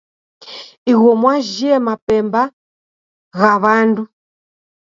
Iguo mwajie mabemba gha w'andu.